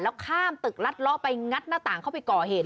ข้ามตึกรัดล้อไปงัดหน้าต่างเข้าไปก่อเหตุ